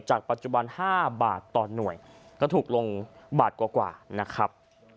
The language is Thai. ปัจจุบัน๕บาทต่อหน่วยก็ถูกลงบาทกว่านะครับ